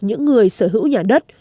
những người sở hữu nhà đất